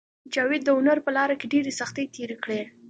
جاوید د هنر په لاره کې ډېرې سختۍ تېرې کړې